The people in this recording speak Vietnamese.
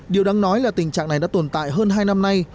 điều đáng nói là tình trạng này đã tồn tại hơn hai năm nay